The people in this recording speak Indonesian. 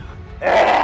kesal kesal kesal